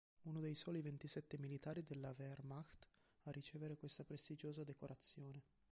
Uno dei soli ventisette militari della Wehrmacht a ricevere questa prestigiosa decorazione.